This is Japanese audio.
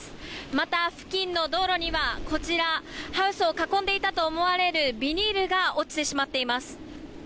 また、付近の道路にはハウスを囲んでいたと思われるビニールが落ちています。